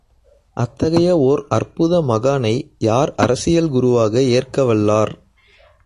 அத்தகைய ஓர் அற்புத மகானை யார் அரசியல் குருவாக ஏற்கவல்லார்?